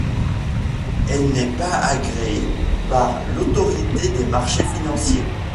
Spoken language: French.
Elle n’est pas agréée par l’Autorité des marchés financiers.